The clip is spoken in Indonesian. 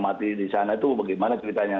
mati di sana itu bagaimana ceritanya